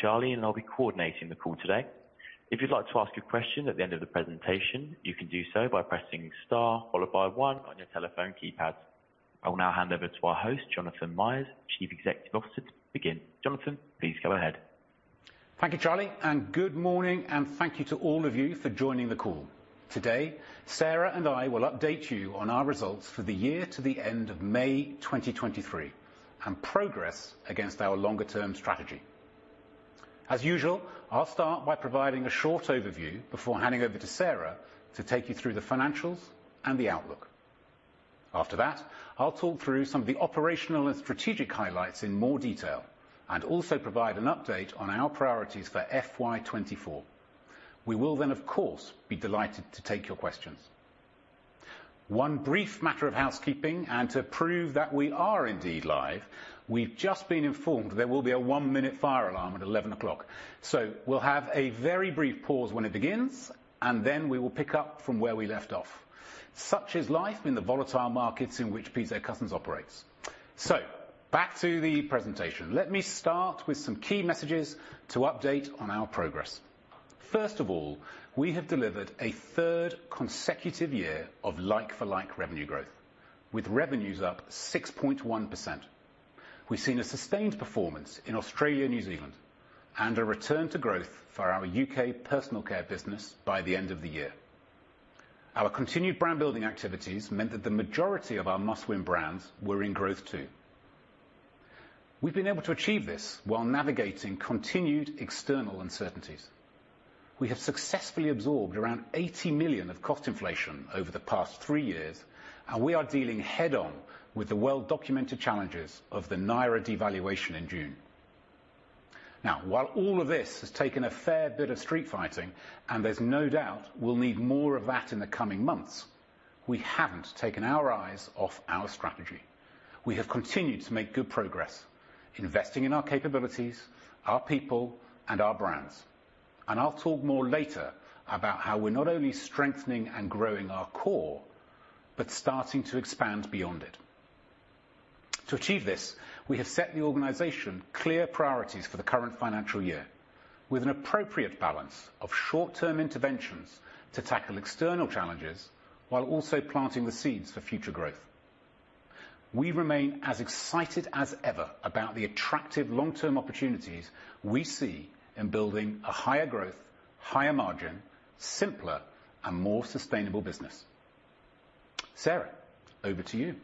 Charlie, and I'll be coordinating the call today. If you'd like to ask a question at the end of the presentation, you can do so by pressing Star followed by one on your telephone keypad. I will now hand over to our host, Jonathan Myers, Chief Executive Officer, to begin. Jonathan, please go ahead. Thank you, Charlie, and good morning, and thank you to all of you for joining the call. Today, Sarah and I will update you on our results for the year to the end of May 2023, and progress against our longer-term strategy. As usual, I'll start by providing a short overview before handing over to Sarah to take you through the financials and the outlook. After that, I'll talk through some of the operational and strategic highlights in more detail, and also provide an update on our priorities for FY 2024. We will then, of course, be delighted to take your questions. One brief matter of housekeeping, and to prove that we are indeed live, we've just been informed there will be a 1 minute fire alarm at 11:00 A.M. So we'll have a very brief pause when it begins, and then we will pick up from where we left off. Such is life in the volatile markets in which PZ Cussons operates. So back to the presentation. Let me start with some key messages to update on our progress. First of all, we have delivered a third consecutive year of like-for-like revenue growth, with revenues up 6.1%. We've seen a sustained performance in Australia and New Zealand, and a return to growth for our U.K. personal care business by the end of the year. Our continued brand building activities meant that the majority of our Must Win Brands were in growth, too. We've been able to achieve this while navigating continued external uncertainties. We have successfully absorbed around 80 million of cost inflation over the past 3 years, and we are dealing head-on with the well-documented challenges of the Naira devaluation in June. Now, while all of this has taken a fair bit of street fighting, and there's no doubt we'll need more of that in the coming months, we haven't taken our eyes off our strategy. We have continued to make good progress, investing in our capabilities, our people, and our brands. I'll talk more later about how we're not only strengthening and growing our core, but starting to expand beyond it. To achieve this, we have set the organization clear priorities for the current financial year, with an appropriate balance of short-term interventions to tackle external challenges while also planting the seeds for future growth. We remain as excited as ever about the attractive long-term opportunities we see in building a higher growth, higher margin, simpler, and more sustainable business. Sarah, over to you.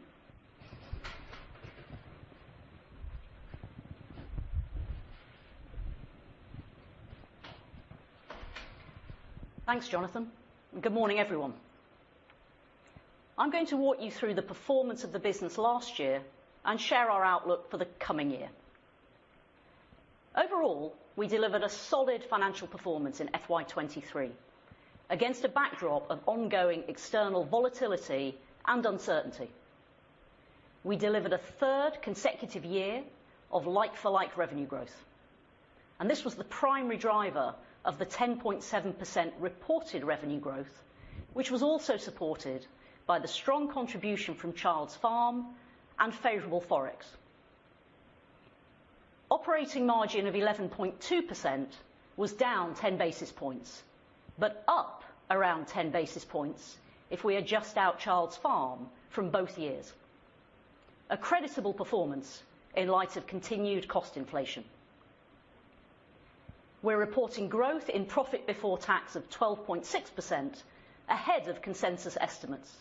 Thanks, Jonathan. Good morning, everyone. I'm going to walk you through the performance of the business last year and share our outlook for the coming year. Overall, we delivered a solid financial performance in FY 2023, against a backdrop of ongoing external volatility and uncertainty. We delivered a third consecutive year of like-for-like revenue growth, and this was the primary driver of the 10.7% reported revenue growth, which was also supported by the strong contribution from Childs Farm and favorable forex. Operating margin of 11.2% was down 10 basis points, but up around 10 basis points if we adjust out Childs Farm from both years. A creditable performance in light of continued cost inflation. We're reporting growth in profit before tax of 12.6%, ahead of consensus estimates.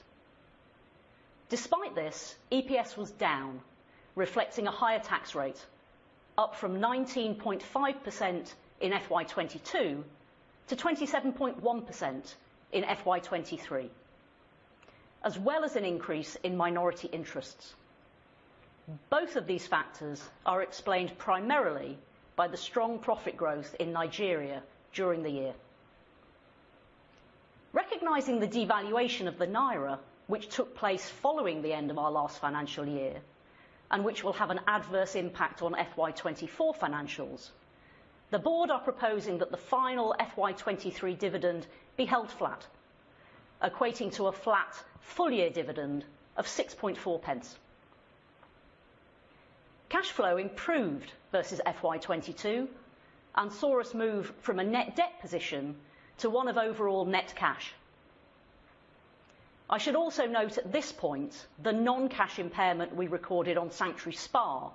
Despite this, EPS was down, reflecting a higher tax rate, up from 19.5% in FY 2022 to 27.1% in FY 2023, as well as an increase in minority interests. Both of these factors are explained primarily by the strong profit growth in Nigeria during the year. Recognizing the devaluation of the Naira, which took place following the end of our last financial year, and which will have an adverse impact on FY 2024 financials, the board are proposing that the final FY 2023 dividend be held flat, equating to a flat full-year dividend of 6.4 pence. Cash flow improved versus FY 2022 and saw us move from a net debt position to one of overall net cash. I should also note at this point, the non-cash impairment we recorded on Sanctuary Spa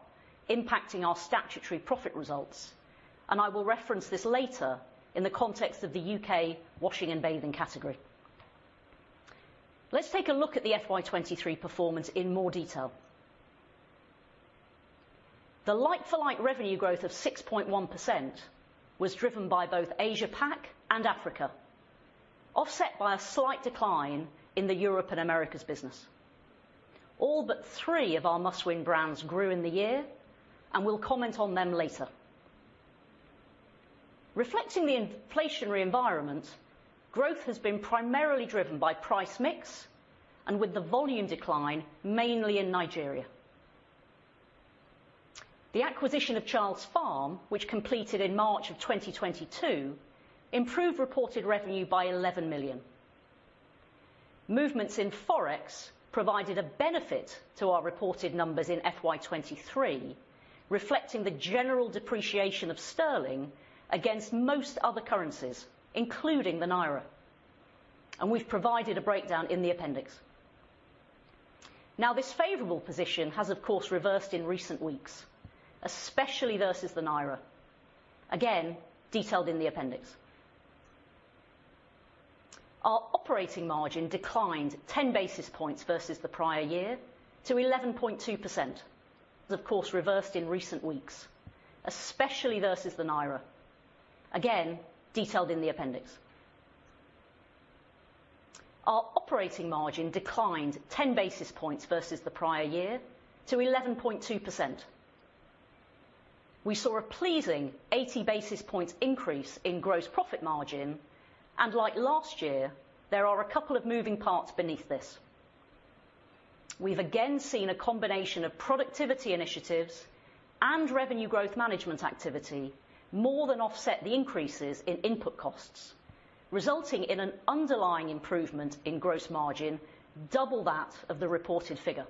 impacting our statutory profit results, and I will reference this later in the context of the U.K. washing and bathing category. Let's take a look at the FY 2023 performance in more detail. The like-for-like revenue growth of 6.1% was driven by both AsiaPac and Africa, offset by a slight decline in the Europe and Americas business. All but three of our Must Win Brands grew in the year, and we'll comment on them later. Reflecting the inflationary environment, growth has been primarily driven by price mix and with the volume decline, mainly in Nigeria. The acquisition of Childs Farm, which completed in March 2022, improved reported revenue by 11 million.... Movements in forex provided a benefit to our reported numbers in FY 2023, reflecting the general depreciation of sterling against most other currencies, including the Naira. We've provided a breakdown in the appendix. Now, this favorable position has, of course, reversed in recent weeks, especially versus the Naira. Again, detailed in the appendix. Our operating margin declined 10 basis points versus the prior year to 11.2%. Of course, reversed in recent weeks, especially versus the Naira. Again, detailed in the appendix. Our operating margin declined 10 basis points versus the prior year to 11.2%. We saw a pleasing 80 basis points increase in gross profit margin, and like last year, there are a couple of moving parts beneath this. We've again seen a combination of productivity initiatives and revenue growth management activity, more than offset the increases in input costs, resulting in an underlying improvement in gross margin, double that of the reported figure.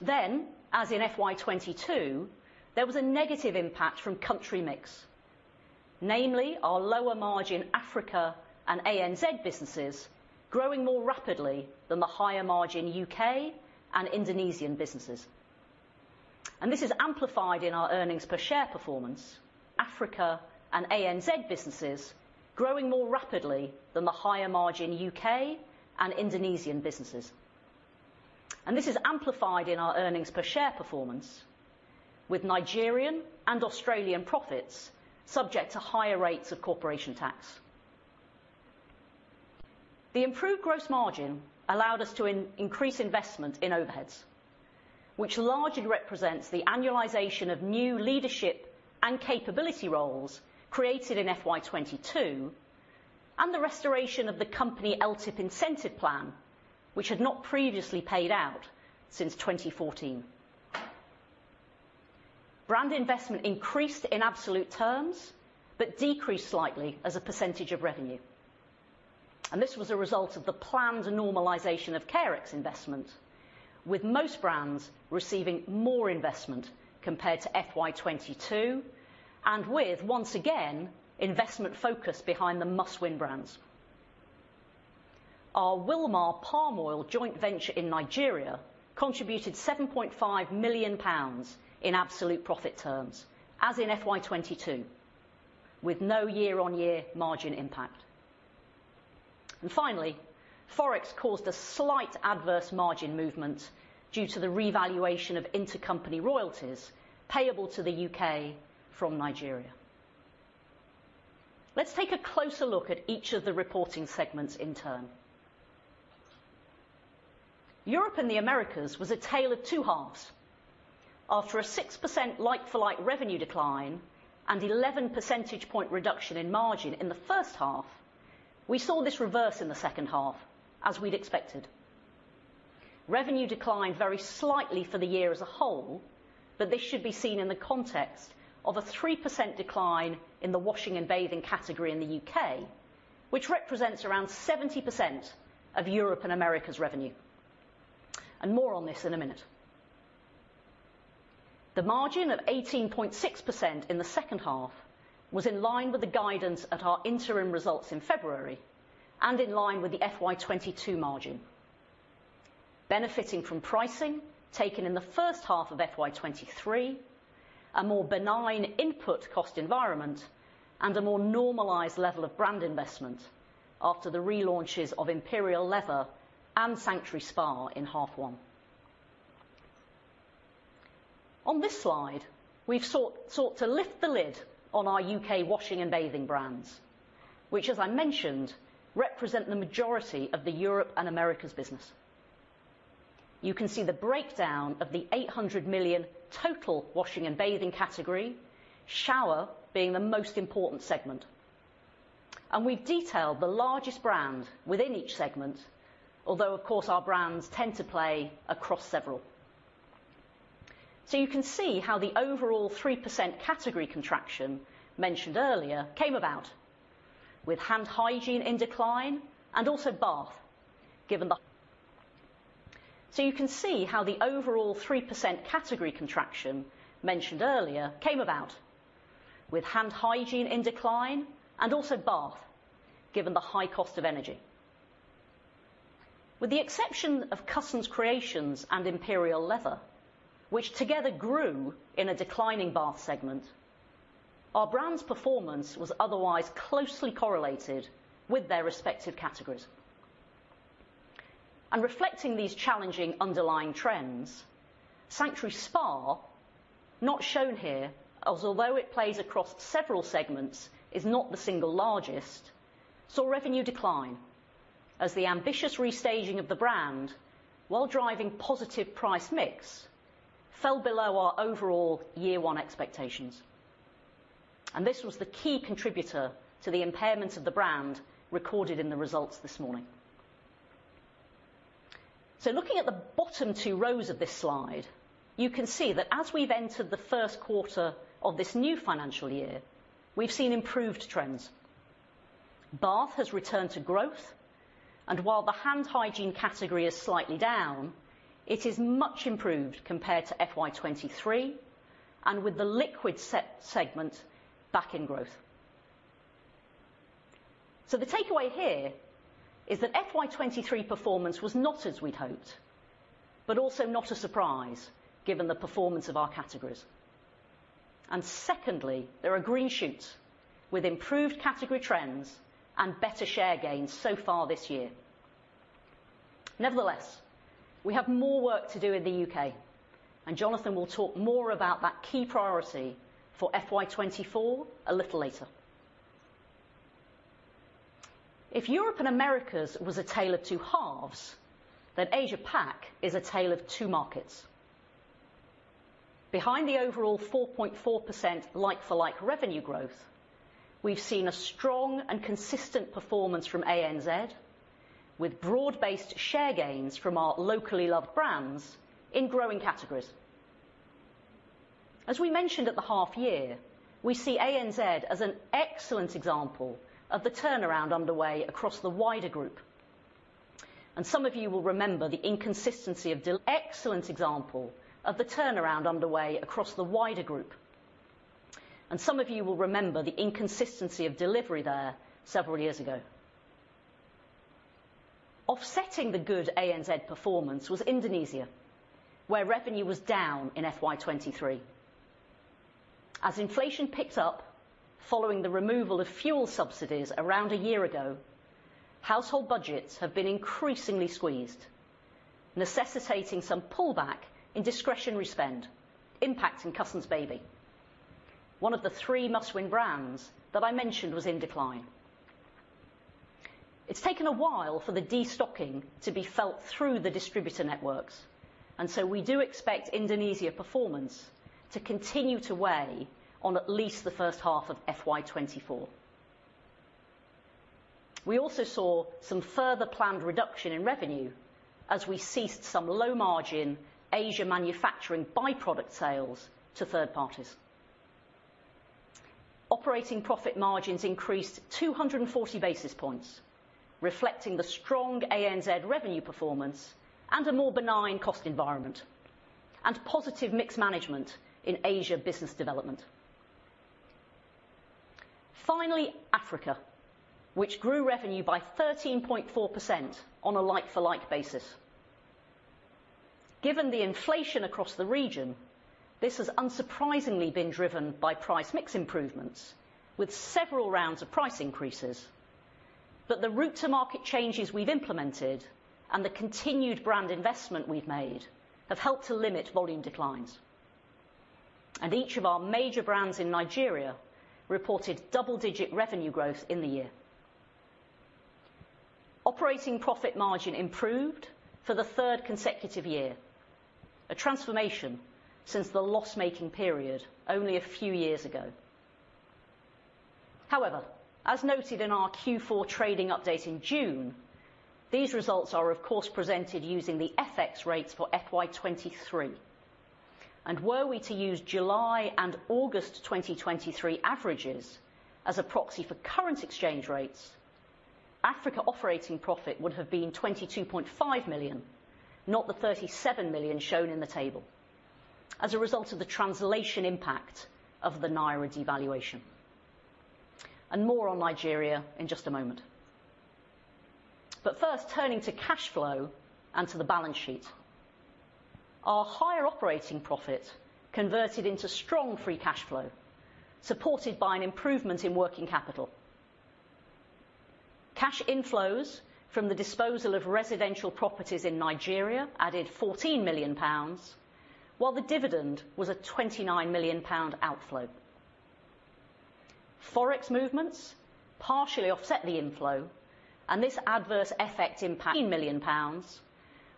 Then, as in FY 2022, there was a negative impact from country mix, namely our lower margin Africa and ANZ businesses, growing more rapidly than the higher margin U.K. and Indonesian businesses. And this is amplified in our earnings per share performance, Africa and ANZ businesses growing more rapidly than the higher margin U.K. and Indonesian businesses. And this is amplified in our earnings per share performance, with Nigerian and Australian profits subject to higher rates of corporation tax. The improved gross margin allowed us to increase investment in overheads, which largely represents the annualization of new leadership and capability roles created in FY 2022, and the restoration of the company LTIP incentive plan, which had not previously paid out since 2014. Brand investment increased in absolute terms, but decreased slightly as a percentage of revenue, and this was a result of the planned normalization of Carex investment, with most brands receiving more investment compared to FY 2022, and with, once again, investment focus behind the must-win brands. Our Wilmar Palm Oil joint venture in Nigeria contributed 7.5 million pounds in absolute profit terms, as in FY 2022, with no year-on-year margin impact. And finally, forex caused a slight adverse margin movement due to the revaluation of intercompany royalties payable to the U.K. from Nigeria. Let's take a closer look at each of the reporting segments in turn. Europe and the Americas was a tale of two halves. After a 6% like-for-like revenue decline and 11 percentage point reduction in margin in the first half, we saw this reverse in the second half, as we'd expected. Revenue declined very slightly for the year as a whole, but this should be seen in the context of a 3% decline in the washing and bathing category in the U.K., which represents around 70% of Europe and Americas' revenue. And more on this in a minute. The margin of 18.6% in the second half was in line with the guidance at our interim results in February and in line with the FY 2022 margin. Benefiting from pricing taken in the first half of FY 2023, a more benign input cost environment, and a more normalized level of brand investment after the relaunches of Imperial Leather and Sanctuary Spa in half one. On this slide, we've sought to lift the lid on our U.K. washing and bathing brands, which, as I mentioned, represent the majority of the Europe and Americas business. You can see the breakdown of the 800 million total washing and bathing category, shower being the most important segment. And we've detailed the largest brand within each segment, although, of course, our brands tend to play across several. So you can see how the overall 3% category contraction mentioned earlier came about, with hand hygiene in decline and also bath, given the... You can see how the overall 3% category contraction mentioned earlier came about, with hand hygiene in decline and also bath, given the high cost of energy. With the exception of Cussons Creations and Imperial Leather, which together grew in a declining bath segment, our brand's performance was otherwise closely correlated with their respective categories. Reflecting these challenging underlying trends, Sanctuary Spa, not shown here, as although it plays across several segments, is not the single largest, saw revenue decline as the ambitious restaging of the brand, while driving positive price mix, fell below our overall year one expectations. This was the key contributor to the impairment of the brand recorded in the results this morning. Looking at the bottom two rows of this slide, you can see that as we've entered the first quarter of this new financial year, we've seen improved trends. Bath has returned to growth, and while the hand hygiene category is slightly down, it is much improved compared to FY 2023, and with the liquid segment back in growth. So the takeaway here is that FY 2023 performance was not as we'd hoped, but also not a surprise given the performance of our categories. And secondly, there are green shoots with improved category trends and better share gains so far this year. Nevertheless, we have more work to do in the U.K., and Jonathan will talk more about that key priority for FY 2024 a little later. If Europe and Americas was a tale of two halves, then Asia Pac is a tale of two markets. Behind the overall 4.4% like-for-like revenue growth, we've seen a strong and consistent performance from ANZ, with broad-based share gains from our locally loved brands in growing categories. As we mentioned at the half year, we see ANZ as an excellent example of the turnaround underway across the wider group. And some of you will remember the inconsistency of delivery there several years ago. Offsetting the good ANZ performance was Indonesia, where revenue was down in FY 2023. As inflation picks up following the removal of fuel subsidies around a year ago, household budgets have been increasingly squeezed, necessitating some pullback in discretionary spend, impacting Cussons Baby. One of the three Must Win Brands that I mentioned was in decline. It's taken a while for the destocking to be felt through the distributor networks, and so we do expect Indonesia performance to continue to weigh on at least the first half of FY 2024. We also saw some further planned reduction in revenue as we ceased some low-margin Asia manufacturing by-product sales to third parties. Operating profit margins increased 240 basis points, reflecting the strong ANZ revenue performance and a more benign cost environment, and positive mix management in Asia business development. Finally, Africa, which grew revenue by 13.4% on a like-for-like basis. Given the inflation across the region, this has unsurprisingly been driven by price mix improvements, with several rounds of price increases. But the route to market changes we've implemented and the continued brand investment we've made have helped to limit volume declines. And each of our major brands in Nigeria reported double-digit revenue growth in the year. Operating profit margin improved for the third consecutive year, a transformation since the loss-making period only a few years ago. However, as noted in our Q4 trading update in June, these results are, of course, presented using the FX rates for FY 2023. Were we to use July and August 2023 averages as a proxy for current exchange rates, Africa operating profit would have been 22.5 million, not the 37 million shown in the table, as a result of the translation impact of the Naira devaluation. More on Nigeria in just a moment. First, turning to cash flow and to the balance sheet. Our higher operating profit converted into strong free cash flow, supported by an improvement in working capital. Cash inflows from the disposal of residential properties in Nigeria added 14 million pounds, while the dividend was a 29 million pound outflow. Forex movements partially offset the inflow, and this adverse effect impact million pounds,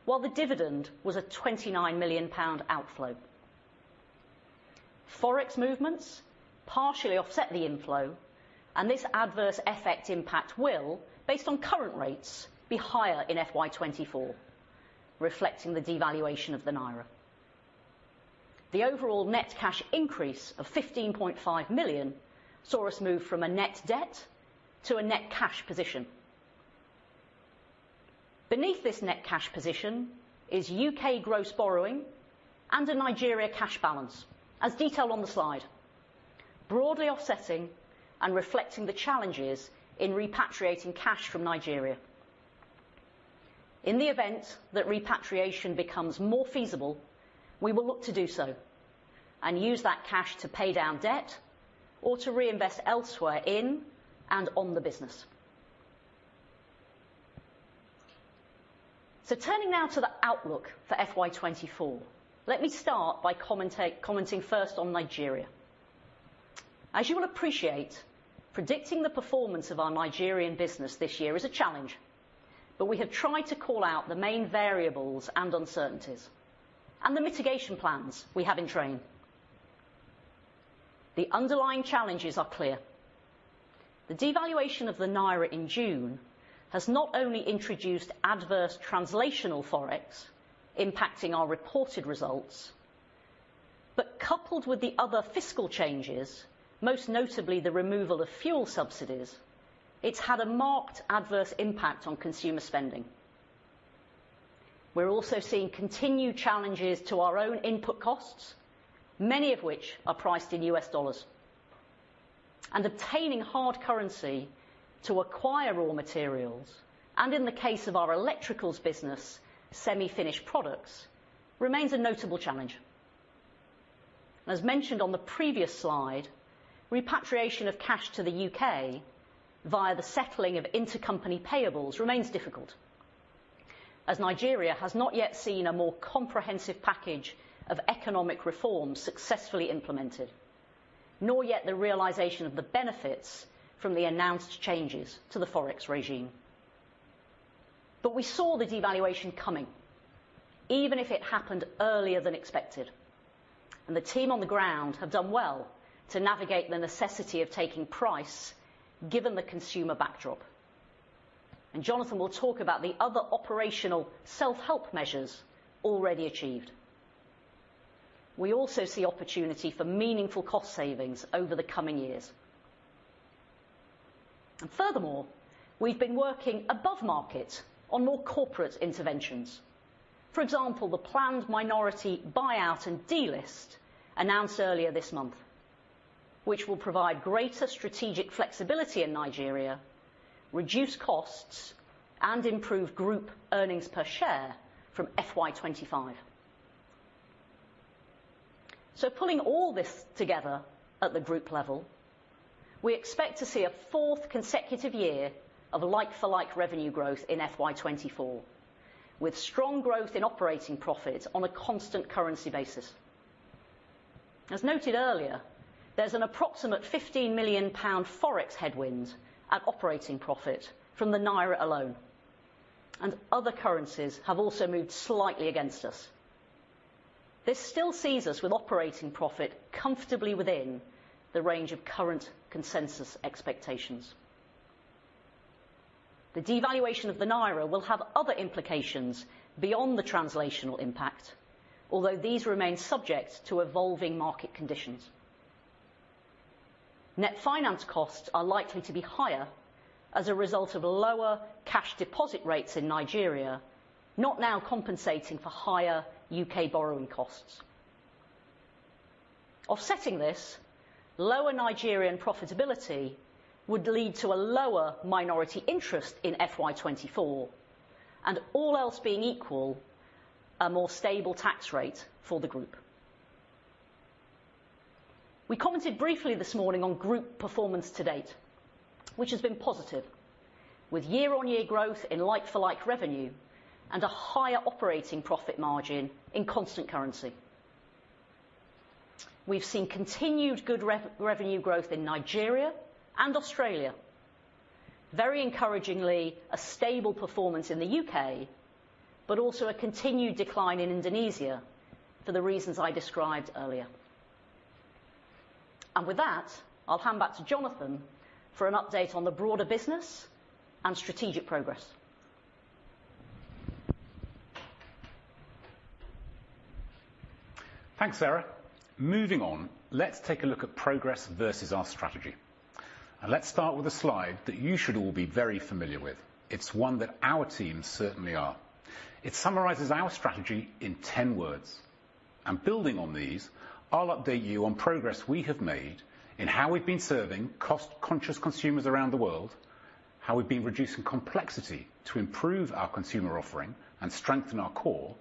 while the dividend was a 29 million pound outflow. Forex movements partially offset the inflow, and this adverse effect impact will, based on current rates, be higher in FY 2024, reflecting the devaluation of the Naira. The overall net cash increase of 15.5 million saw us move from a net debt to a net cash position. Beneath this net cash position is U.K. gross borrowing and a Nigeria cash balance, as detailed on the slide, broadly offsetting and reflecting the challenges in repatriating cash from Nigeria. In the event that repatriation becomes more feasible, we will look to do so and use that cash to pay down debt or to reinvest elsewhere in and on the business. So turning now to the outlook for FY 2024. Let me start by commenting first on Nigeria. As you will appreciate, predicting the performance of our Nigerian business this year is a challenge, but we have tried to call out the main variables and uncertainties, and the mitigation plans we have in train. The underlying challenges are clear. The devaluation of the Naira in June has not only introduced adverse translational forex impacting our reported results, but coupled with the other fiscal changes, most notably the removal of fuel subsidies, it's had a marked adverse impact on consumer spending. We're also seeing continued challenges to our own input costs, many of which are priced in U.S. dollars. And obtaining hard currency to acquire raw materials, and in the case of our electricals business, semi-finished products, remains a notable challenge. As mentioned on the previous slide, repatriation of cash to the U.K. via the settling of intercompany payables remains difficult, as Nigeria has not yet seen a more comprehensive package of economic reforms successfully implemented, nor yet the realization of the benefits from the announced changes to the forex regime. But we saw the devaluation coming, even if it happened earlier than expected, and the team on the ground have done well to navigate the necessity of taking price, given the consumer backdrop. Jonathan will talk about the other operational self-help measures already achieved. We also see opportunity for meaningful cost savings over the coming years. Furthermore, we've been working above market on more corporate interventions. For example, the planned minority buyout and delist announced earlier this month, which will provide greater strategic flexibility in Nigeria, reduce costs, and improve group earnings per share from FY 25. So pulling all this together at the group level, we expect to see a fourth consecutive year of like-for-like revenue growth in FY 2024, with strong growth in operating profit on a constant currency basis. As noted earlier, there's an approximate 15 million pound forex headwind at operating profit from the Naira alone, and other currencies have also moved slightly against us. This still sees us with operating profit comfortably within the range of current consensus expectations. The devaluation of the Naira will have other implications beyond the translational impact, although these remain subject to evolving market conditions. Net finance costs are likely to be higher as a result of lower cash deposit rates in Nigeria, not now compensating for higher U.K. borrowing costs. Offsetting this, lower Nigerian profitability would lead to a lower minority interest in FY 2024, and all else being equal, a more stable tax rate for the group. We commented briefly this morning on group performance to date, which has been positive, with year-on-year growth in like-for-like revenue and a higher operating profit margin in constant currency. We've seen continued good revenue growth in Nigeria and Australia. Very encouragingly, a stable performance in the U.K., but also a continued decline in Indonesia for the reasons I described earlier. And with that, I'll hand back to Jonathan for an update on the broader business and strategic progress. Thanks, Sarah. Moving on, let's take a look at progress versus our strategy. Let's start with a slide that you should all be very familiar with. It's one that our teams certainly are. It summarizes our strategy in 10 words, and building on these, I'll update you on progress we have made in how we've been serving cost-conscious consumers around the world, how we've been reducing complexity to improve our consumer offering and strengthen our core,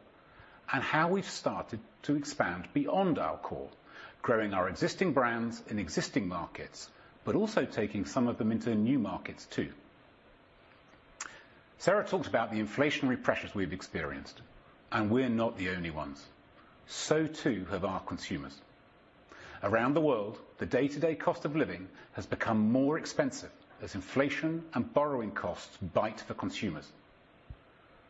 and how we've started to expand beyond our core, growing our existing brands in existing markets, but also taking some of them into new markets, too. Sarah talked about the inflationary pressures we've experienced, and we're not the only ones. So, too, have our consumers. Around the world, the day-to-day cost of living has become more expensive as inflation and borrowing costs bite for consumers.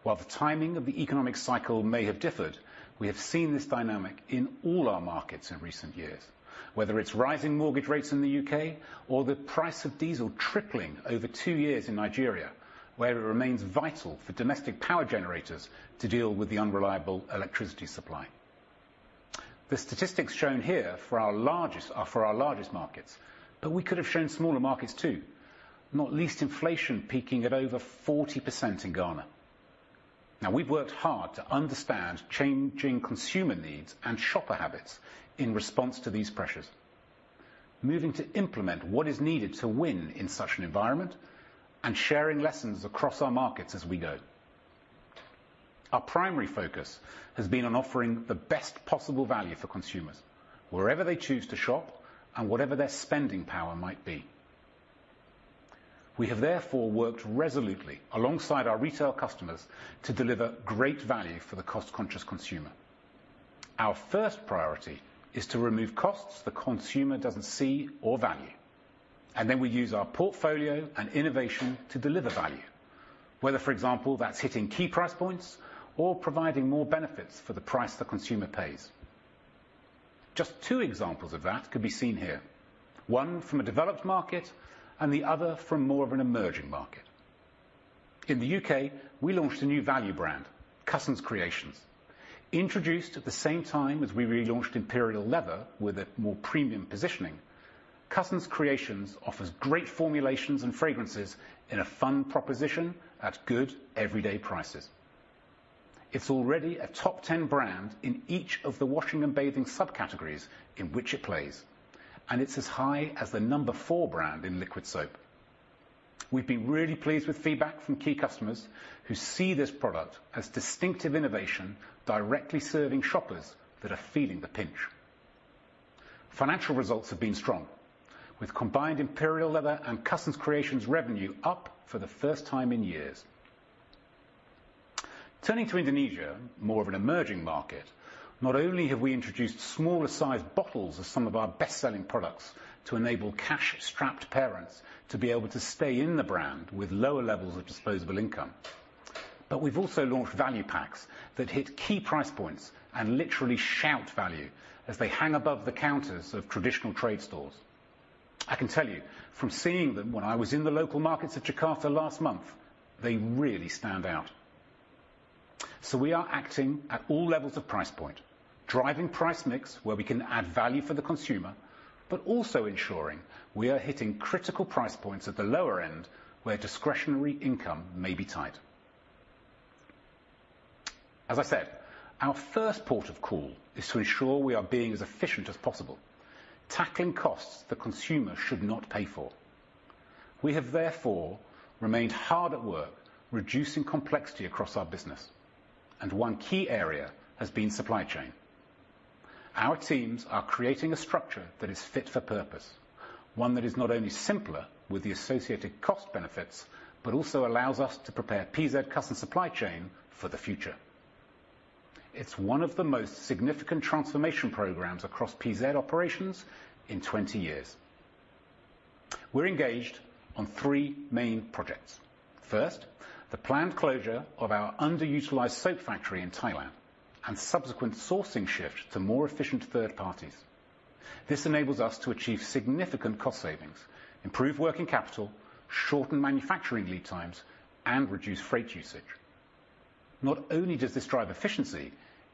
While the timing of the economic cycle may have differed, we have seen this dynamic in all our markets in recent years, whether it's rising mortgage rates in the U.K. or the price of diesel tripling over two years in Nigeria, where it remains vital for domestic power generators to deal with the unreliable electricity supply. The statistics shown here for our largest are for our largest markets, but we could have shown smaller markets, too, not least inflation peaking at over 40% in Ghana. Now, we've worked hard to understand changing consumer needs and shopper habits in response to these pressures. Moving to implement what is needed to win in such an environment and sharing lessons across our markets as we go. Our primary focus has been on offering the best possible value for consumers, wherever they choose to shop and whatever their spending power might be. We have therefore worked resolutely alongside our retail customers to deliver great value for the cost-conscious consumer. Our first priority is to remove costs the consumer doesn't see or value... and then we use our portfolio and innovation to deliver value, whether, for example, that's hitting key price points or providing more benefits for the price the consumer pays. Just two examples of that could be seen here, one from a developed market and the other from more of an emerging market. In the U.K., we launched a new value brand, Cussons Creations. Introduced at the same time as we relaunched Imperial Leather with a more premium positioning, Cussons Creations offers great formulations and fragrances in a fun proposition at good everyday prices. It's already a top 10 brand in each of the washing and bathing subcategories in which it plays, and it's as high as the number 4 brand in liquid soap. We've been really pleased with feedback from key customers who see this product as distinctive innovation, directly serving shoppers that are feeling the pinch. Financial results have been strong, with combined Imperial Leather and Cussons Creations revenue up for the first time in years. Turning to Indonesia, more of an emerging market, not only have we introduced smaller-sized bottles of some of our best-selling products to enable cash-strapped parents to be able to stay in the brand with lower levels of disposable income, but we've also launched value packs that hit key price points and literally shout value as they hang above the counters of traditional trade stores. I can tell you from seeing them when I was in the local markets of Jakarta last month, they really stand out. So we are acting at all levels of price point, driving price mix where we can add value for the consumer, but also ensuring we are hitting critical price points at the lower end, where discretionary income may be tight. As I said, our first port of call is to ensure we are being as efficient as possible, tackling costs the consumer should not pay for. We have, therefore, remained hard at work, reducing complexity across our business, and one key area has been supply chain. Our teams are creating a structure that is fit for purpose, one that is not only simpler with the associated cost benefits, but also allows us to prepare PZ Cussons supply chain for the future. It's one of the most significant transformation programs across PZ operations in 20 years. We're engaged on three main projects. First, the planned closure of our underutilized soap factory in Thailand and subsequent sourcing shift to more efficient third parties. This enables us to achieve significant cost savings, improve working capital, shorten manufacturing lead times, and reduce freight usage. Not only does this drive efficiency,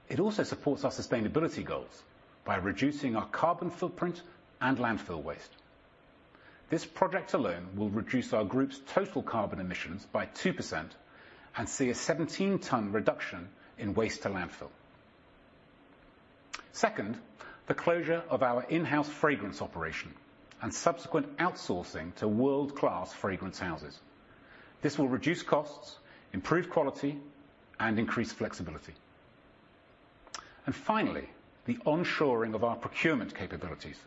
it also supports our sustainability goals by reducing our carbon footprint and landfill waste. This project alone will reduce our group's total carbon emissions by 2% and see a 17-ton reduction in waste to landfill. Second, the closure of our in-house fragrance operation and subsequent outsourcing to world-class fragrance houses. This will reduce costs, improve quality, and increase flexibility. Finally, the onshoring of our procurement capabilities,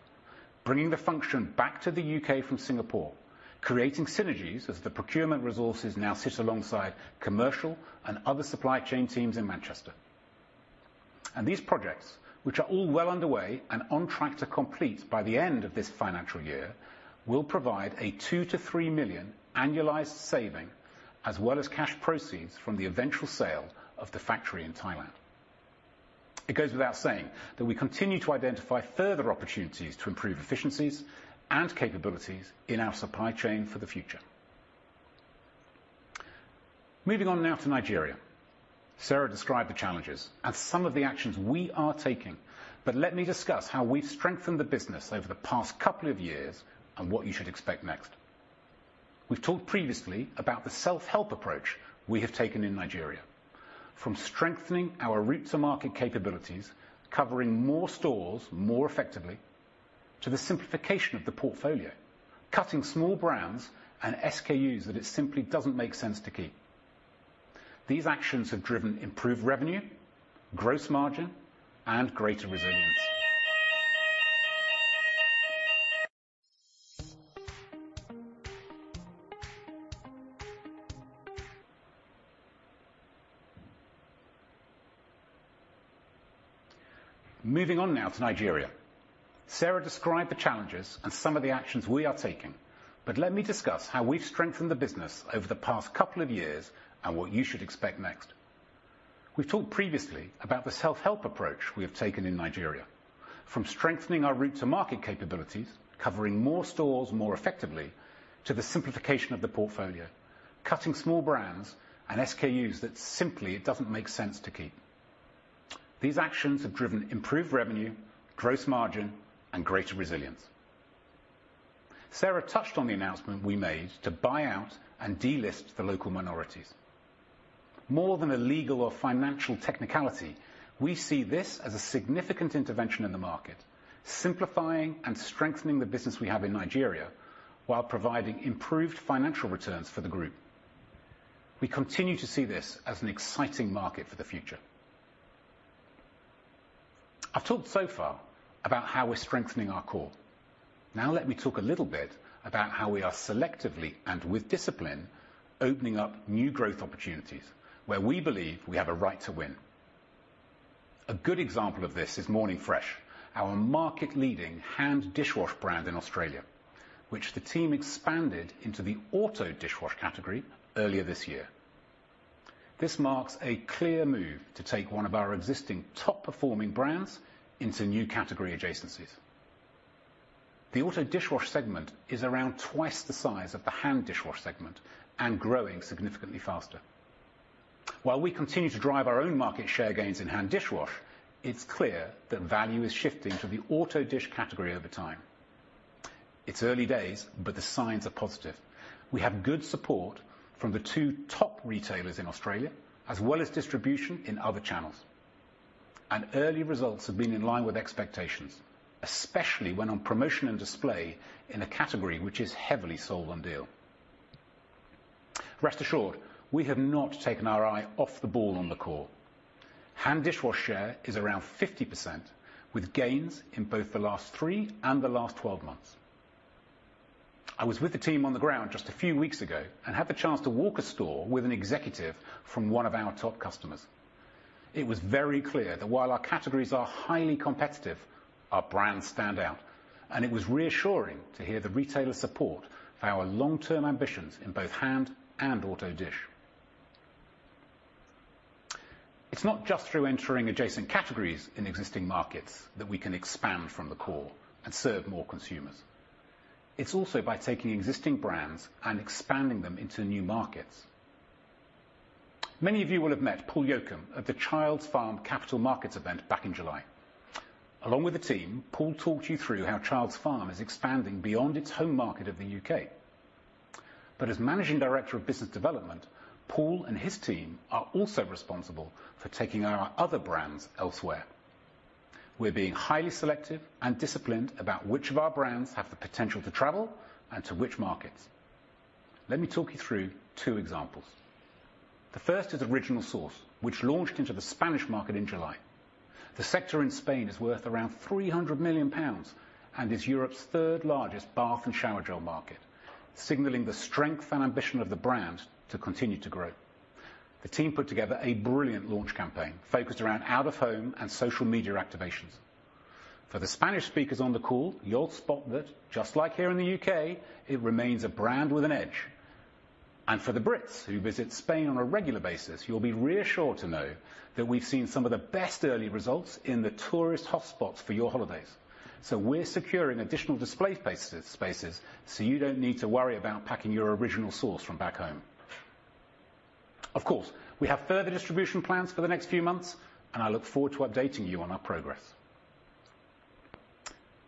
bringing the function back to the U.K. from Singapore, creating synergies as the procurement resources now sit alongside commercial and other supply chain teams in Manchester. These projects, which are all well underway and on track to complete by the end of this financial year, will provide a 2-3 million annualized saving, as well as cash proceeds from the eventual sale of the factory in Thailand. It goes without saying that we continue to identify further opportunities to improve efficiencies and capabilities in our supply chain for the future. Moving on now to Nigeria. Sarah described the challenges and some of the actions we are taking, but let me discuss how we've strengthened the business over the past couple of years and what you should expect next. We've talked previously about the self-help approach we have taken in Nigeria, from strengthening our route to market capabilities, covering more stores more effectively, to the simplification of the portfolio, cutting small brands and SKUs that it simply doesn't make sense to keep. These actions have driven improved revenue, gross margin, and greater resilience. Moving on now to Nigeria. Sarah described the challenges and some of the actions we are taking, but let me discuss how we've strengthened the business over the past couple of years and what you should expect next. We've talked previously about the self-help approach we have taken in Nigeria, from strengthening our route to market capabilities, covering more stores more effectively, to the simplification of the portfolio, cutting small brands and SKUs that simply it doesn't make sense to keep. These actions have driven improved revenue, gross margin, and greater resilience. Sarah touched on the announcement we made to buy out and delist the local minorities. More than a legal or financial technicality, we see this as a significant intervention in the market, simplifying and strengthening the business we have in Nigeria while providing improved financial returns for the group. We continue to see this as an exciting market for the future. I've talked so far about how we're strengthening our core. Now, let me talk a little bit about how we are selectively, and with discipline, opening up new growth opportunities where we believe we have a right to win.... A good example of this is Morning Fresh, our market-leading hand dishwash brand in Australia, which the team expanded into the auto dishwash category earlier this year. This marks a clear move to take one of our existing top-performing brands into new category adjacencies. The auto dishwash segment is around twice the size of the hand dishwash segment and growing significantly faster. While we continue to drive our own market share gains in hand dishwash, it's clear that value is shifting to the auto dish category over time. It's early days, but the signs are positive. We have good support from the two top retailers in Australia, as well as distribution in other channels. Early results have been in line with expectations, especially when on promotion and display in a category which is heavily sold on deal. Rest assured, we have not taken our eye off the ball on the core. Hand dishwash share is around 50%, with gains in both the last three and the last 12 months. I was with the team on the ground just a few weeks ago, and had the chance to walk a store with an executive from one of our top customers. It was very clear that while our categories are highly competitive, our brands stand out, and it was reassuring to hear the retailer support our long-term ambitions in both hand and auto dish. It's not just through entering adjacent categories in existing markets that we can expand from the core and serve more consumers. It's also by taking existing brands and expanding them into new markets. Many of you will have met Paul Yocum at the Childs Farm Capital Markets event back in July. Along with the team, Paul talked you through how Childs Farm is expanding beyond its home market of the U.K.. As Managing Director of Business Development, Paul and his team are also responsible for taking our other brands elsewhere. We're being highly selective and disciplined about which of our brands have the potential to travel and to which markets. Let me talk you through two examples. The first is Original Source, which launched into the Spanish market in July. The sector in Spain is worth around 300 million pounds and is Europe's third-largest bath and shower gel market, signaling the strength and ambition of the brand to continue to grow. The team put together a brilliant launch campaign focused around out-of-home and social media activations. For the Spanish speakers on the call, you'll spot that, just like here in the U.K., it remains a brand with an edge. For the Brits, who visit Spain on a regular basis, you'll be reassured to know that we've seen some of the best early results in the tourist hotspots for your holidays. So we're securing additional display spaces, so you don't need to worry about packing your Original Source from back home. Of course, we have further distribution plans for the next few months, and I look forward to updating you on our progress.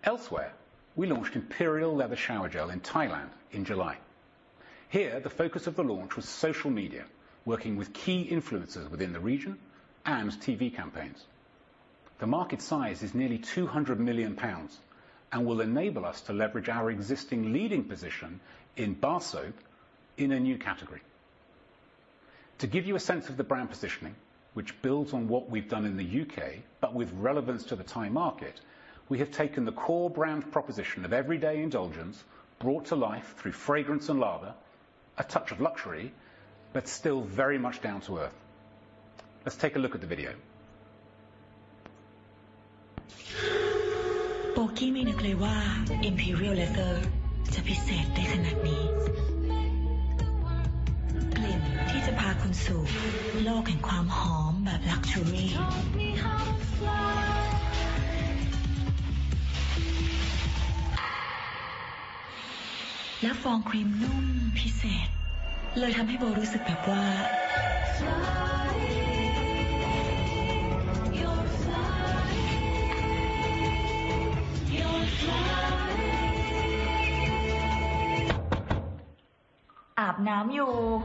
Elsewhere, we launched Imperial Leather Shower Gel in Thailand in July. Here, the focus of the launch was social media, working with key influencers within the region and TV campaigns. The market size is nearly 200 million pounds and will enable us to leverage our existing leading position in bar soap in a new category. To give you a sense of the brand positioning, which builds on what we've done in the U.K., but with relevance to the Thai market, we have taken the core brand proposition of everyday indulgence, brought to life through fragrance and lather, a touch of luxury, but still very much down to earth. Let's take a look at the video. Moving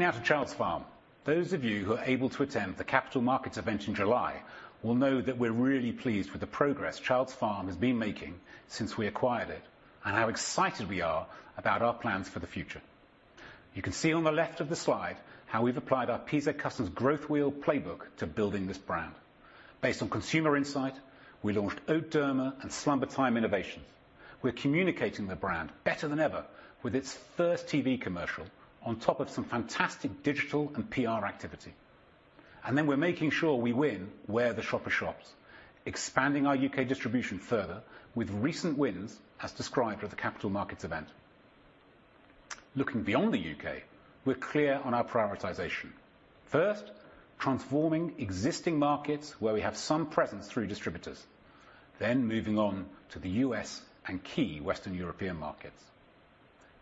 now to Childs Farm. Those of you who are able to attend the Capital Markets event in July will know that we're really pleased with the progress Childs Farm has been making since we acquired it, and how excited we are about our plans for the future. You can see on the left of the slide how we've applied our PZ Cussons Growth Wheel playbook to building this brand. Based on consumer insight, we launched OatDerma and SlumberTime innovations. We're communicating the brand better than ever, with its first TV commercial, on top of some fantastic digital and PR activity. And then we're making sure we win where the shopper shops, expanding our U.K. distribution further with recent wins, as described at the Capital Markets event. Looking beyond the U.K., we're clear on our prioritization. First, transforming existing markets where we have some presence through distributors, then moving on to the U.S. and key Western European markets.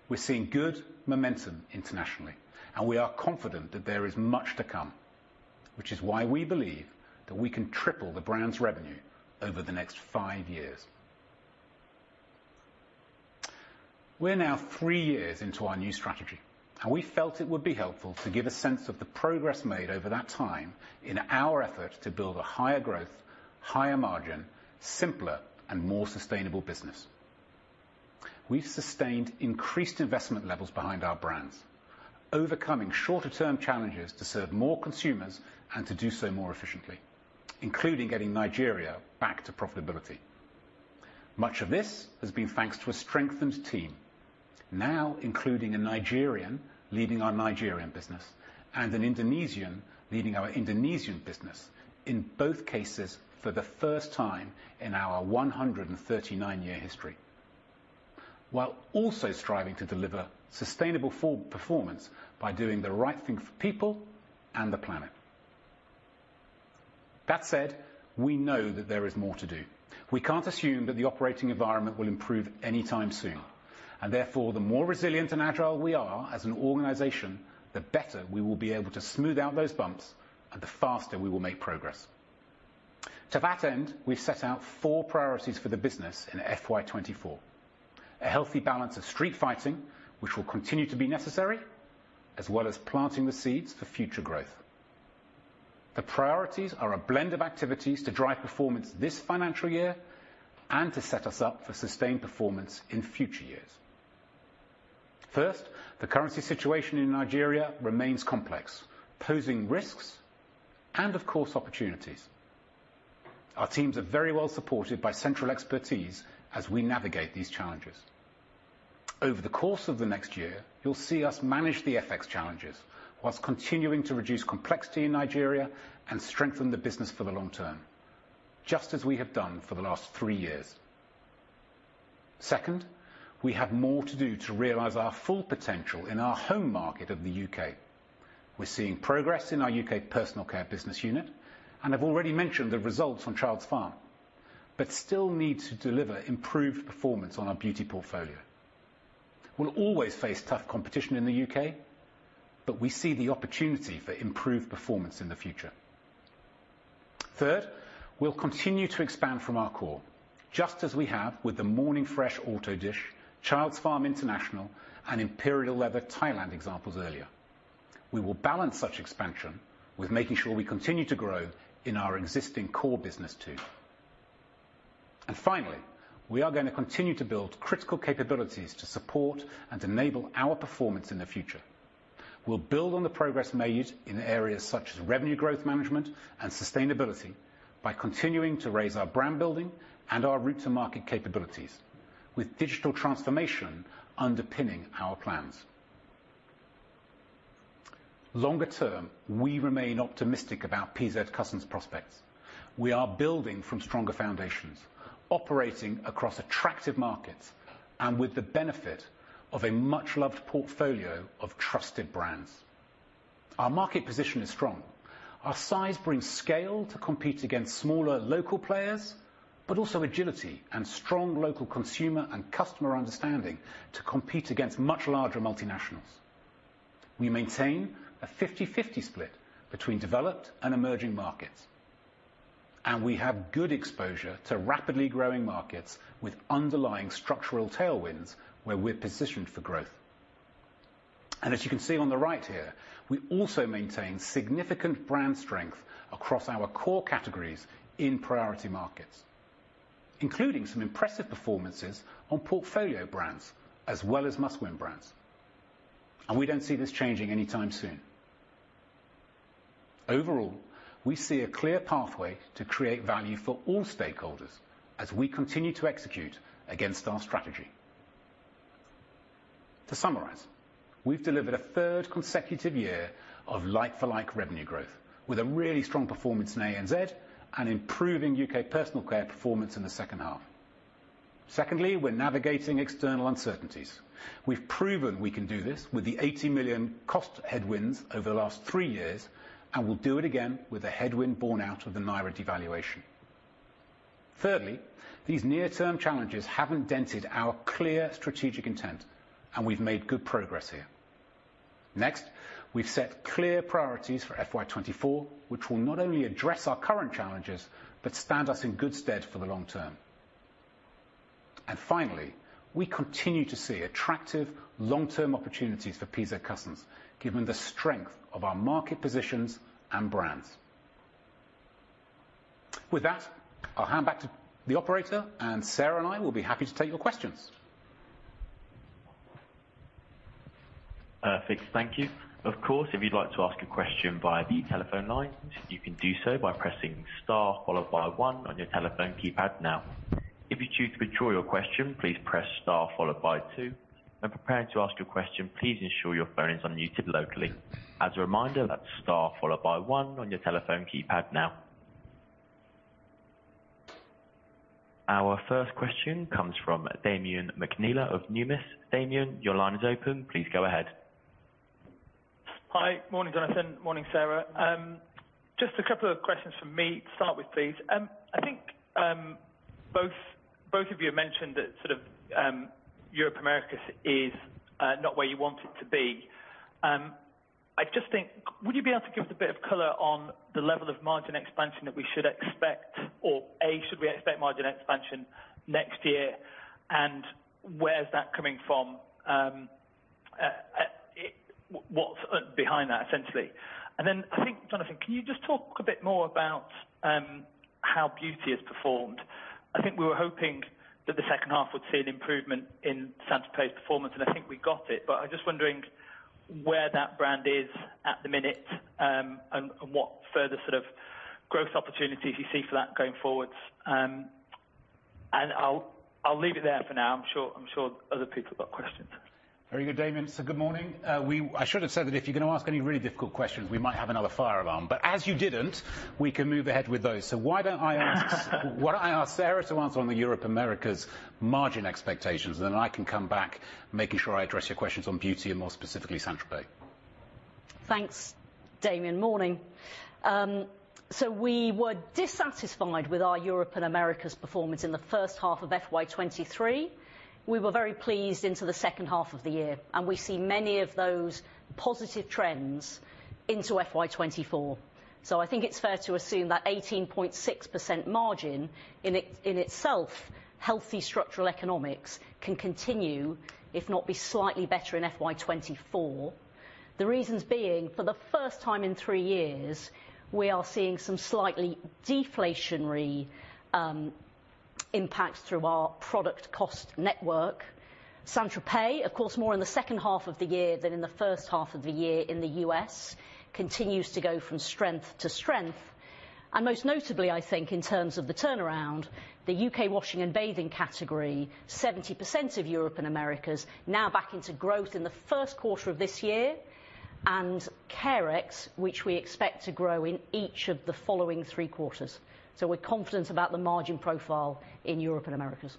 We're seeing good momentum internationally, and we are confident that there is much to come, which is why we believe that we can triple the brand's revenue over the next 5 years. We're now 3 years into our new strategy, and we felt it would be helpful to give a sense of the progress made over that time in our effort to build a higher growth, higher margin, simpler, and more sustainable business. We've sustained increased investment levels behind our brands, overcoming shorter-term challenges to serve more consumers and to do so more efficiently, including getting Nigeria back to profitability. Much of this has been thanks to a strengthened team, now including a Nigerian leading our Nigerian business and an Indonesian leading our Indonesian business, in both cases for the first time in our 139-year history, while also striving to deliver sustainable full performance by doing the right thing for people and the planet. That said, we know that there is more to do. We can't assume that the operating environment will improve anytime soon, and therefore, the more resilient and agile we are as an organization, the better we will be able to smooth out those bumps and the faster we will make progress. To that end, we've set out four priorities for the business in FY 2024. A healthy balance of street fighting, which will continue to be necessary, as well as planting the seeds for future growth. The priorities are a blend of activities to drive performance this financial year and to set us up for sustained performance in future years. First, the currency situation in Nigeria remains complex, posing risks and, of course, opportunities. Our teams are very well supported by central expertise as we navigate these challenges. Over the course of the next year, you'll see us manage the FX challenges, while continuing to reduce complexity in Nigeria and strengthen the business for the long term, just as we have done for the last three years. Second, we have more to do to realize our full potential in our home market of the U.K. We're seeing progress in our U.K. personal care business unit, and I've already mentioned the results on Childs Farm, but still need to deliver improved performance on our beauty portfolio. We'll always face tough competition in the U.K., but we see the opportunity for improved performance in the future. Third, we'll continue to expand from our core, just as we have with the Morning Fresh Auto Dish, Childs Farm International, and Imperial Leather Thailand examples earlier. We will balance such expansion with making sure we continue to grow in our existing core business, too. And finally, we are going to continue to build critical capabilities to support and enable our performance in the future. We'll build on the progress made in areas such as revenue growth management and sustainability by continuing to raise our brand building and our route to market capabilities with digital transformation underpinning our plans. Longer term, we remain optimistic about PZ Cussons' prospects. We are building from stronger foundations, operating across attractive markets and with the benefit of a much-loved portfolio of trusted brands. Our market position is strong. Our size brings scale to compete against smaller local players, but also agility and strong local consumer and customer understanding to compete against much larger multinationals. We maintain a 50/50 split between developed and emerging markets, and we have good exposure to rapidly growing markets with underlying structural tailwinds, where we're positioned for growth. As you can see on the right here, we also maintain significant brand strength across our core categories in priority markets, including some impressive performances on portfolio brands as well as Must Win Brands. We don't see this changing anytime soon. Overall, we see a clear pathway to create value for all stakeholders as we continue to execute against our strategy. To summarize, we've delivered a third consecutive year of like-for-like revenue growth, with a really strong performance in ANZ and improving U.K. personal care performance in the second half. Secondly, we're navigating external uncertainties. We've proven we can do this with the 80 million cost headwinds over the last three years, and we'll do it again with a headwind borne out of the Naira devaluation. Thirdly, these near-term challenges haven't dented our clear strategic intent, and we've made good progress here. Next, we've set clear priorities for FY 2024, which will not only address our current challenges, but stand us in good stead for the long term. And finally, we continue to see attractive long-term opportunities for PZ Cussons, given the strength of our market positions and brands. With that, I'll hand back to the operator, and Sarah and I will be happy to take your questions. Thank you. Of course, if you'd like to ask a question via the telephone lines, you can do so by pressing star followed by one on your telephone keypad now. If you choose to withdraw your question, please press star followed by two. When preparing to ask your question, please ensure your phone is unmuted locally. As a reminder, that's star followed by one on your telephone keypad now. Our first question comes from Damian McNeela of Numis. Damian, your line is open. Please go ahead. Hi. Morning, Jonathan. Morning, Sarah. Just a couple of questions from me to start with, please. I think both of you mentioned that sort of Europe, Americas is not where you want it to be. I just think, would you be able to give us a bit of color on the level of margin expansion that we should expect, or, A, should we expect margin expansion next year, and where is that coming from? What's behind that, essentially? And then I think, Jonathan, can you just talk a bit more about how beauty has performed. I think we were hoping that the second half would see an improvement in St. Tropez performance, and I think we got it. But I'm just wondering where that brand is at the minute, and what further sort of growth opportunities you see for that going forward? And I'll leave it there for now. I'm sure other people have got questions. Very good, Damian. So good morning. I should have said that if you're gonna ask any really difficult questions, we might have another fire alarm, but as you didn't, we can move ahead with those. So why don't I ask Sarah to answer on the Europe, Americas margin expectations, and then I can come back, making sure I address your questions on beauty and more specifically, St. Tropez. Thanks, Damian. Morning. So we were dissatisfied with our Europe and Americas performance in the first half of FY 2023. We were very pleased into the second half of the year, and we see many of those positive trends into FY 2024. So I think it's fair to assume that 18.6% margin in it, in itself, healthy structural economics, can continue, if not, be slightly better in FY 2024. The reasons being, for the first time in three years, we are seeing some slightly deflationary impacts through our product cost network. St. Tropez, of course, more in the second half of the year than in the first half of the year in the U.S., continues to go from strength to strength. Most notably, I think, in terms of the turnaround, the U.K. washing and bathing category, 70% of Europe and Americas is now back into growth in the first quarter of this year, and Carex, which we expect to grow in each of the following three quarters. So we're confident about the margin profile in Europe and Americas.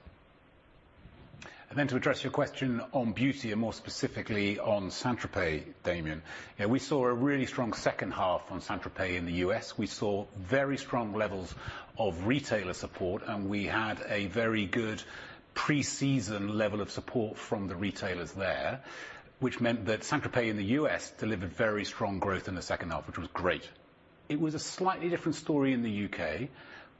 And then to address your question on beauty and more specifically on St. Tropez, Damian. Yeah, we saw a really strong second half on St. Tropez in the U.S.. We saw very strong levels of retailer support, and we had a very good pre-season level of support from the retailers there, which meant that St. Tropez in the U.S. delivered very strong growth in the second half, which was great. It was a slightly different story in the U.K.,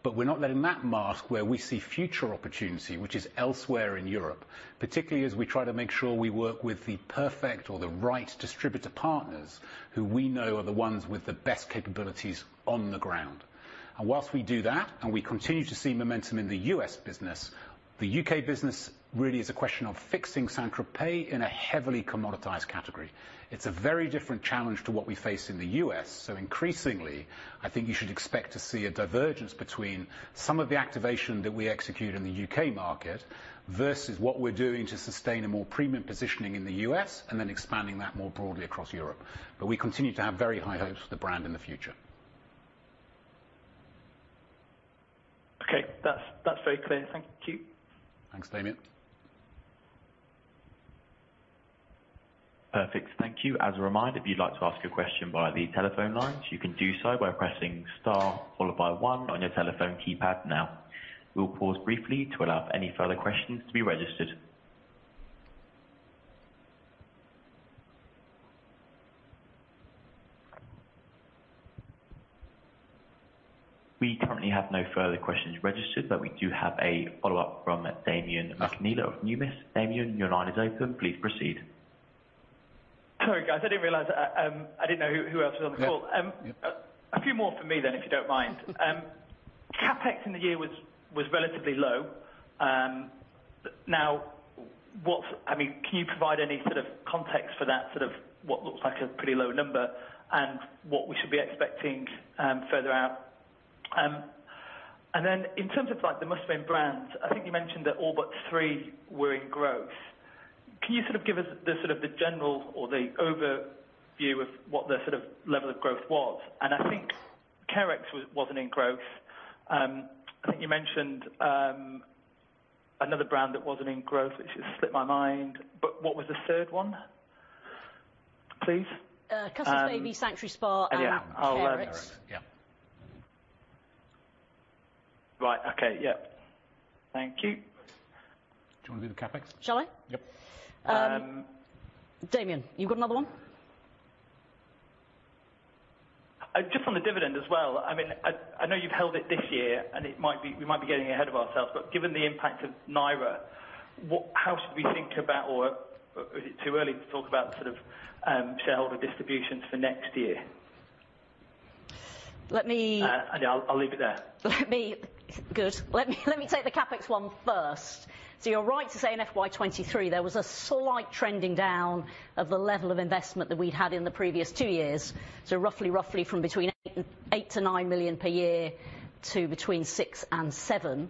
but we're not letting that mask where we see future opportunity, which is elsewhere in Europe, particularly as we try to make sure we work with the perfect or the right distributor partners, who we know are the ones with the best capabilities on the ground. And whilst we do that, and we continue to see momentum in the U.S. business, the U.K. business really is a question of fixing St. Tropez in a heavily commoditized category. It's a very different challenge to what we face in the U.S., so increasingly, I think you should expect to see a divergence between some of the activation that we execute in the U.K. market versus what we're doing to sustain a more premium positioning in the U.S. and then expanding that more broadly across Europe. But we continue to have very high hopes for the brand in the future. Okay. That's, that's very clear. Thank you. Thanks, Damian. Perfect. Thank you. As a reminder, if you'd like to ask a question via the telephone lines, you can do so by pressing Star, followed by one on your telephone keypad now. We'll pause briefly to allow any further questions to be registered. We currently have no further questions registered, but we do have a follow-up from Damian McNeela of Numis. Damian, your line is open. Please proceed. Sorry, guys, I didn't realize, I didn't know who else was on the call. Yeah. A few more for me then, if you don't mind. CapEx in the year was relatively low now, what—I mean, can you provide any sort of context for that, sort of what looks like a pretty low number, and what we should be expecting, further out? And then in terms of like the Must Win Brands, I think you mentioned that all but three were in growth. Can you sort of give us the sort of the general or the overview of what the sort of level of growth was? And I think Carex was, wasn't in growth. I think you mentioned, another brand that wasn't in growth, which has slipped my mind, but what was the third one, please? Cussons Baby, Sanctuary Spa- Yeah. And Carex. Carex, yeah. Right. Okay. Yep. Thank you. Do you want to do the CapEx? Shall I? Yep. Damian, you've got another one? Just on the dividend as well. I mean, I know you've held it this year, and it might be we might be getting ahead of ourselves, but given the impact of Naira, what how should we think about or is it too early to talk about the sort of, shareholder distributions for next year? Let me- I'll leave it there. Let me take the CapEx one first. So you're right to say in FY 2023, there was a slight trending down of the level of investment that we'd had in the previous two years. So roughly from between 8-9 million per year to between 6-7 million.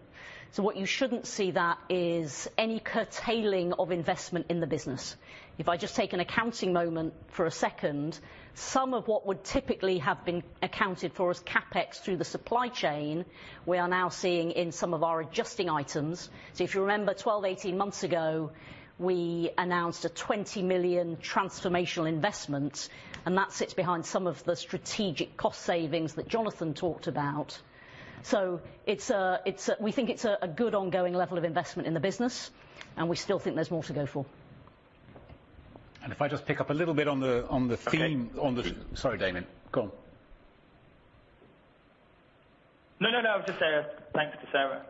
So what you shouldn't see that is any curtailing of investment in the business. If I just take an accounting moment for a second, some of what would typically have been accounted for as CapEx through the supply chain, we are now seeing in some of our adjusting items. So if you remember, 12-18 months ago, we announced a 20 million transformational investment, and that sits behind some of the strategic cost savings that Jonathan talked about. It's a good ongoing level of investment in the business, and we still think there's more to go for. And if I just pick up a little bit on the theme- Okay. Sorry, Damian. Go on. No, no, no. Just Sarah. Thanks to Sarah.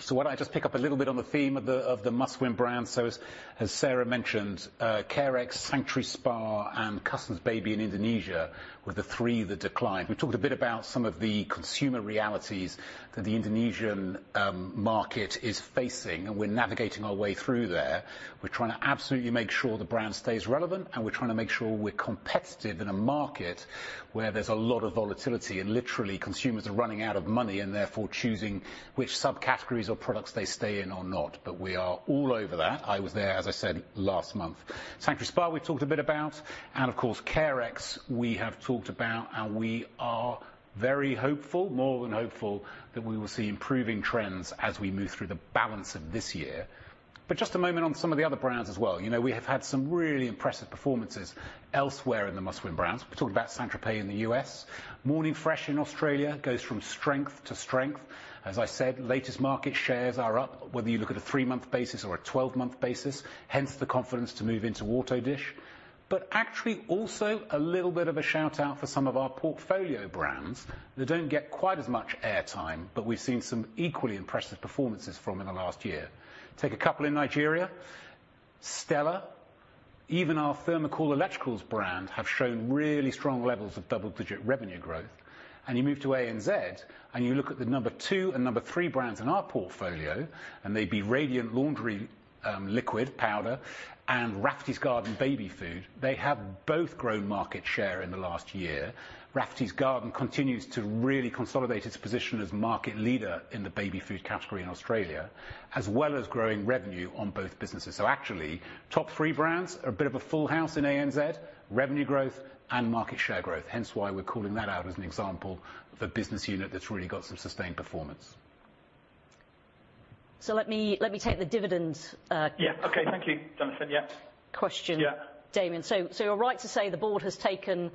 So why don't I just pick up a little bit on the theme of the, of the Must Win Brands? So as, as Sarah mentioned, Carex, Sanctuary Spa, and Cussons Baby in Indonesia were the three that declined. We talked a bit about some of the consumer realities that the Indonesian, market is facing, and we're navigating our way through there. We're trying to absolutely make sure the brand stays relevant, and we're trying to make sure we're competitive in a market where there's a lot of volatility and literally consumers are running out of money and therefore choosing which subcategories or products they stay in or not. But we are all over that. I was there, as I said, last month. Sanctuary Spa, we talked a bit about, and of course, Carex, we have talked about, and we are very hopeful, more than hopeful, that we will see improving trends as we move through the balance of this year. But just a moment on some of the other brands as well. You know, we have had some really impressive performances elsewhere in the Must Win Brands. We talked about St. Tropez in the U.S. Morning Fresh in Australia goes from strength to strength. As I said, latest market shares are up, whether you look at a 3-month basis or a 12-month basis, hence the confidence to move into auto dish. But actually, also, a little bit of a shout-out for some of our portfolio brands that don't get quite as much airtime, but we've seen some equally impressive performances from in the last year. Take a couple in Nigeria, Stella, even our Thermocool electricals brand, have shown really strong levels of double-digit revenue growth. And you move to ANZ, and you look at the number two and number three brands in our portfolio, and they'd be Radiant laundry liquid powder and Rafferty's Garden baby food. They have both grown market share in the last year. Rafferty's Garden continues to really consolidate its position as market leader in the baby food category in Australia, as well as growing revenue on both businesses. So actually, top three brands are a bit of a full house in ANZ, revenue growth and market share growth. Hence, why we're calling that out as an example of a business unit that's really got some sustained performance. Let me take the dividend. Yeah, okay. Thank you, Jonathan. Yep. Question. Yeah. Damian, so you're right to say the board has taken,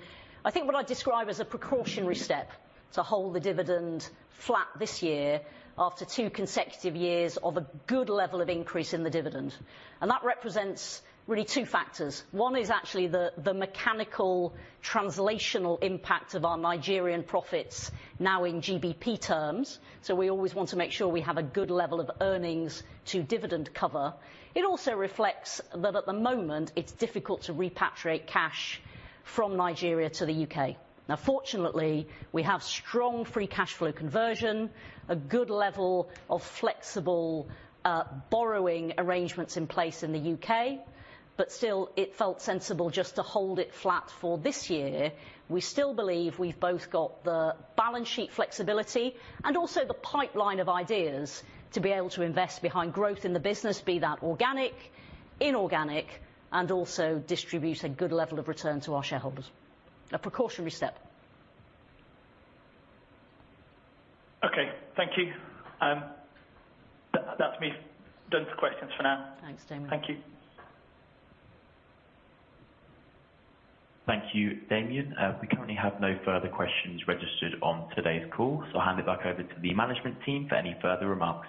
I think, what I'd describe as a precautionary step to hold the dividend flat this year after two consecutive years of a good level of increase in the dividend. That represents really two factors. One is actually the mechanical translational impact of our Nigerian profits now in GBP terms. So we always want to make sure we have a good level of earnings to dividend cover. It also reflects that at the moment, it's difficult to repatriate cash from Nigeria to the U.K. Now, fortunately, we have strong free cash flow conversion, a good level of flexible borrowing arrangements in place in the U.K., but still, it felt sensible just to hold it flat for this year. We still believe we've both got the balance sheet flexibility and also the pipeline of ideas to be able to invest behind growth in the business, be that organic, inorganic, and also distribute a good level of return to our shareholders. A precautionary step. Okay, thank you. That's me done for questions for now. Thanks, Damian. Thank you. Thank you, Damian. We currently have no further questions registered on today's call, so I'll hand it back over to the management team for any further remarks.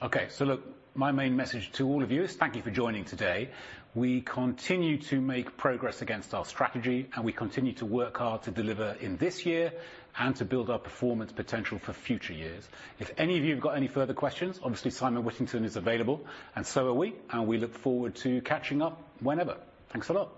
Okay. So look, my main message to all of you is thank you for joining today. We continue to make progress against our strategy, and we continue to work hard to deliver in this year and to build our performance potential for future years. If any of you have got any further questions, obviously, Simon Whittington is available, and so are we, and we look forward to catching up whenever. Thanks a lot!